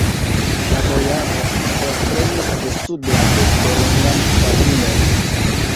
La bojaro elprenis de sub la vesto longan pafilon.